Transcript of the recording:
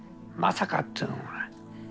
まさかっていうのが。